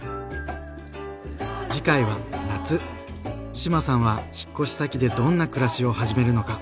志麻さんは引っ越し先でどんな暮らしを始めるのか。